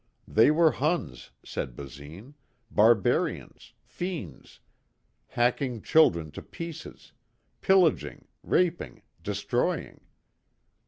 They were Huns, said Basine, barbarians, fiends, hacking children to pieces, pillaging, raping, destroying.